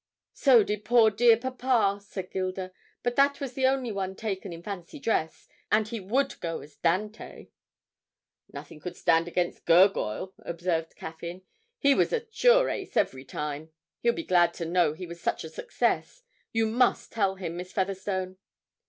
'So did poor dear papa,' said Gilda, 'but that was the one taken in fancy dress, and he would go as Dante.' 'Nothing could stand against Gurgoyle,' observed Caffyn. 'He was a sure ace every time. He'll be glad to know he was such a success. You must tell him, Miss Featherstone.'